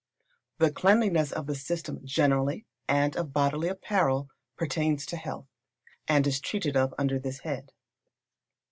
The cleanliness of the system generally, and of bodily apparel, pertains to Health, and is treated of under this head.